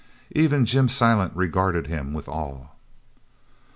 Even Jim Silent regarded him with awe.